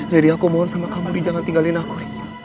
riri aku mohon sama kamu ri jangan tinggalin aku ri